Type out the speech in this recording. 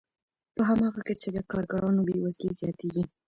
په هماغه کچه د کارګرانو بې وزلي زیاتېږي